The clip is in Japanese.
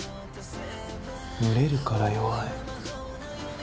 群れるから弱い。